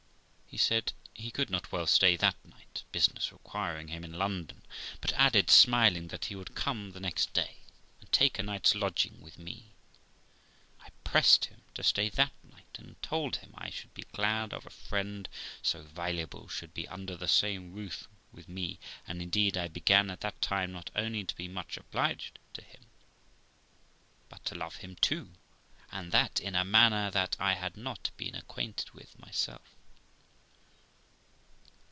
He said he could not well stay that night, business requiring him in London, but added, smiling, that he would come the next day and take a night's lodging with me. I pressed him to stay that night, and told him I should be glad a friend so valuable should ^>e under the same roof with me ; and indeed I began at that time not only to be much obliged to him, but to love him too, and that in a manner that I had not been acquainted with myself.